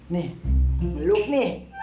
nih beluk nih